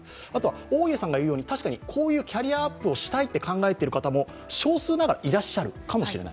大家さんが言うように、こういうキャリアアップをしたいと考えている方も少数ながらいらっしゃるかもしれない。